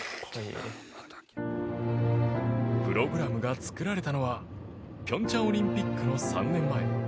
プログラムが作られたのは平昌オリンピックの３年前。